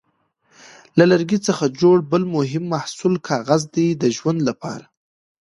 له لرګي څخه جوړ بل مهم محصول کاغذ دی د ژوند لپاره.